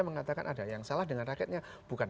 mengatakan ada yang salah dengan rakyatnya bukan